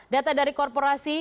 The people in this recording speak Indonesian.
data dari korporasi